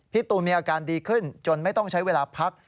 ตูนมีอาการดีขึ้นจนไม่ต้องใช้เวลาพัก